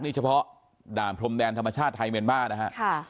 นี่เฉพาะด่านพรมแดนธรรมชาติไทยเมียนมาร์นะฮะ